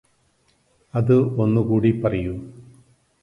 അത് ഒന്നുകൂടി പറയൂ